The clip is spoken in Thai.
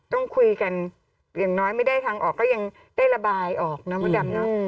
ต้องคุยกันอย่างน้อยไม่ได้ทางออกก็ยังได้ระบายออกนะมดดำเนอะ